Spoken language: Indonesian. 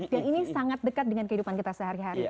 yang ini sangat dekat dengan kehidupan kita sehari hari